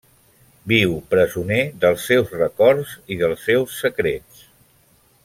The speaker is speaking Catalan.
Viu presoner dels seus records i dels seus secrets.